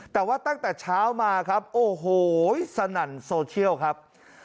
แต่ว่าตั้งแต่เช้ามาครับโอ้โหสนั่นโซเชียลครับ